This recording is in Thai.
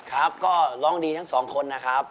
ครับก็ร้องดีทั้งสองคนนะครับ